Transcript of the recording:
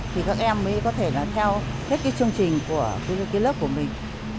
thì các em mới có thể theo hết chương trình của lớp của mình